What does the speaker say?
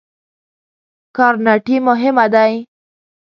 ګارنټي مهمه دی؟